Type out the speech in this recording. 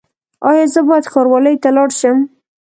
ایا زه باید ښاروالۍ ته لاړ شم؟